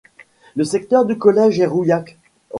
Le secteur du collège est Rouillac.